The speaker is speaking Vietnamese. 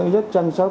rất chăm sóc